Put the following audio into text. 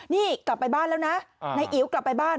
นี่กลับไปบ้านแล้วนะนายอิ๋วกลับไปบ้าน